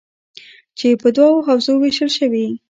چې په دوو حوزو ویشل شوي: